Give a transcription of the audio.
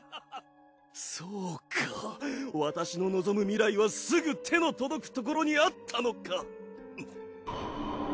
そうか私の望む未来はすぐ手の届くところにあったのか。